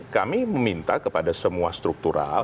kami meminta kepada semua struktural